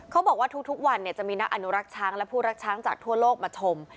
เขาบอกว่าทุกวันจะมีนักอนุรักษ์ช้างและผู้รักช้างจากทั่วโลกมาชม